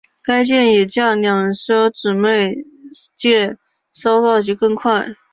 该舰也较两艘姊妹舰稍大及更快。